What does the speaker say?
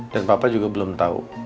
dan papa juga belum tahu